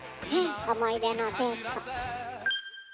思い出のデート。